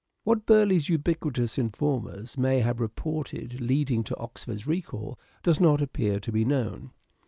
What Burleigh's ubiquitous informers may have Domestic reported leading to Oxford's recall does not appear to be known.